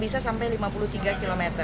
bisa sampai lima puluh tiga km